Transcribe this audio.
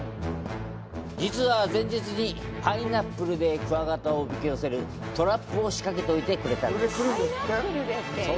実は、前日にパイナップルでクワガタをおびき寄せるトラップを仕掛けておいてくれたんです。